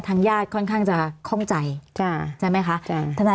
ญาติค่อนข้างจะคล่องใจใช่ไหมคะ